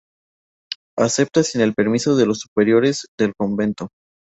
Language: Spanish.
Acepta sin el permiso de los superiores del convento.